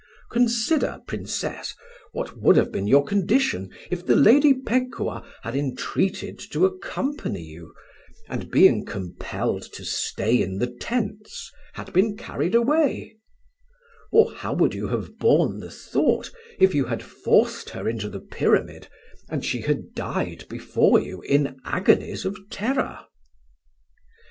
"Consider, Princess, what would have been your condition if the Lady Pekuah had entreated to accompany you, and, being compelled to stay in the tents, had been carried away; or how would you have borne the thought if you had forced her into the Pyramid, and she had died before you in agonies of terror?"